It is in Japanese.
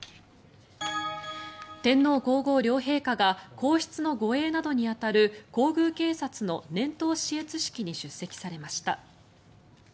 天皇・皇后両陛下が皇室の護衛などに当たる皇宮警察の年頭視閲式に出席されました。